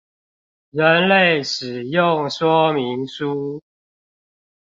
人類使用說明書